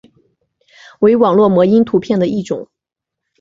为网络模因图片的一种。